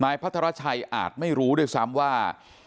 นายพัฒนาวัชชัยอาจไม่รู้ด้วยซ้ำว่า